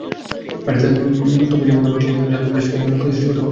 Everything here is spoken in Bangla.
ব্যাট হাতে তবু যেমন-তেমন, কিপিং গ্লাভস হাতে বেশ কিছু ক্যাচ ছেড়েছেন দৃষ্টিকটুভাবে।